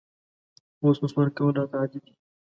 اوس نسوار کول راته عادي دي